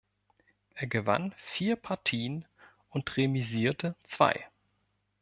Er gewann vier Partien und remisierte zwei.